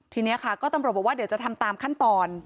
ทีนี้ค่ะก็ตำรวจบอกว่าเดี๋ยวจะทำตามขั้นตอน